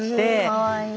かわいい。